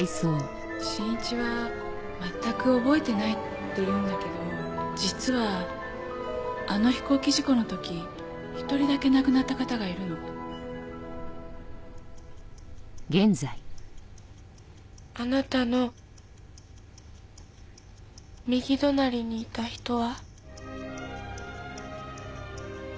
真一は全く覚えてないって言うんだけど実はあの飛行機事故のとき一人だけ亡くなった方がいるのあなたの右隣にいた人は？